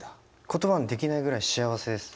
言葉にできないぐらい幸せです。